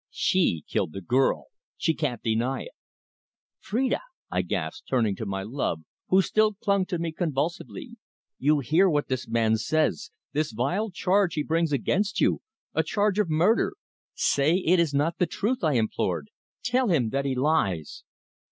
She killed the girl. She can't deny it!" "Phrida!" I gasped, turning to my love, who still clung to me convulsively. "You hear what this man says this vile charge he brings against you a charge of murder! Say that it is not the truth," I implored. "Tell me that he lies!"